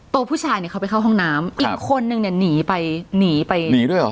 ตัวผู้ชายเขาไปเข้าห้องน้ำอีกคนนึงหนีไปหนีไปหนีด้วยหรอ